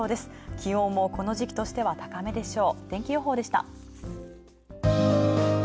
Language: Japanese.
気温もこの時期としては高めでしょう。